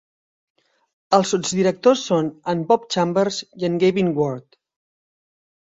Els sotsdirectors són en Bob Chambers i en Gavin Ward.